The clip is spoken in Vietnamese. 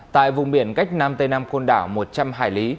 tại vùng biển cách nam tây nam côn đảo một trăm linh hải lý